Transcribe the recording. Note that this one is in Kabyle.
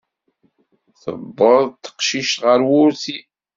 Tiweḍ teqcict ɣer wurti.